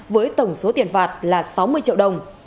với tổng số tiền phạt là sáu mươi triệu đồng